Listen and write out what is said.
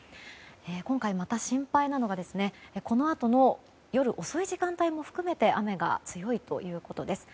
今回、また心配なのがこのあとの夜遅い時間帯にかけて雨が強いということです。